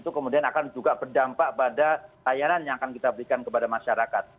itu kemudian akan juga berdampak pada layanan yang akan kita berikan kepada masyarakat